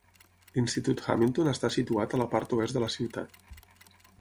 L'Institut Hamilton està situat a la part oest de la ciutat.